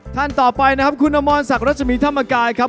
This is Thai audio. ท่านต่อไปนะครับคุณน้ำมอนสักรัชมีธรรมการครับ